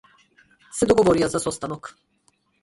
Се договорија за состанок.